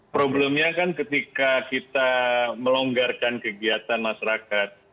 problemnya kan ketika kita melonggarkan kegiatan masyarakat